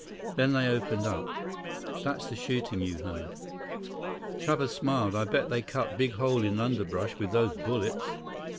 Then they opened up. That's the shooting you heard." Chuba smiled. "I bet they cut big hole in underbrush with those bullets."